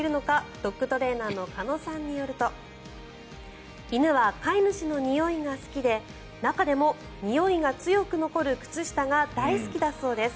ドッグトレーナーの鹿野さんによると犬は飼い主のにおいが好きで中でもにおいが強く残る靴下が大好きだそうです。